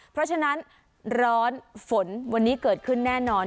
เพราะฉะนั้นร้อนฝนวันนี้เกิดขึ้นแน่นอน